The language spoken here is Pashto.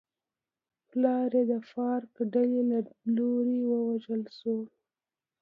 پلار یې د فارک ډلې له لوري وژل شوی و.